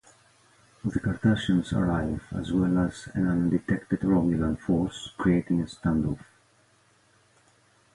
The Cardassians arrive, as well as an undetected Romulan force, creating a standoff.